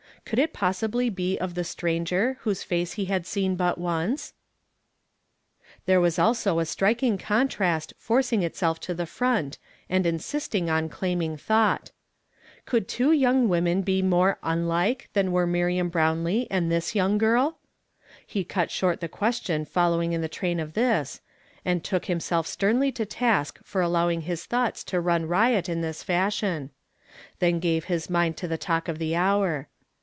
C'onld it possihly be of the stranger whose face he iiad seen but once ? There was also a striking contrast forcing itself to the front and insisting on elaiming thought. C'oidd two young women he more uidike than were Miriam IJrowidee and this young girl? lie cut short the question following in the train of this, and took himself sternly to task for allowing his thoughts to run riot in this fashion ; then gave his mind to the talk of the hour.